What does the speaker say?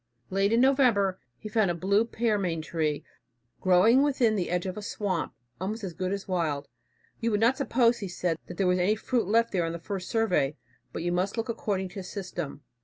Late in November he found a blue pearmain tree growing within the edge of a swamp, almost as good as wild. "You would not suppose," he says, "that there was any fruit left there on the first survey, but you must look according to system.